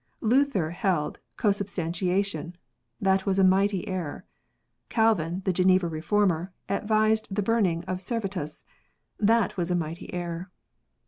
Luther held consubstantiation ; that was a mighty error. Calvin, the Geneva Reformer, advised the burning of Servetus ; that was a mighty error.